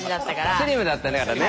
スリムだったからね。